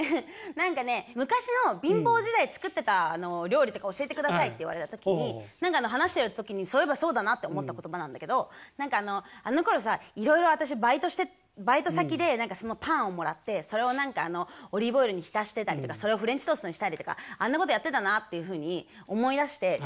何かね昔の貧乏時代作ってた料理とか教えてくださいって言われた時に話してる時にそういえばそうだなって思った言葉なんだけど何かあのころさいろいろ私バイトしてバイト先で何かそのパンをもらってそれを何かオリーブオイルに浸してたりとかそれをフレンチトーストにしたりとかあんなことやってたなっていうふうに思い出して。